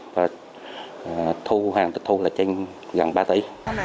và thu hàng tịch thu là gần ba tỷ